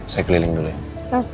saya keliling dulu ya